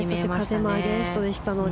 風もアゲンストでしたので。